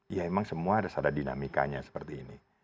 ya emang semua ada dinamikanya seperti ini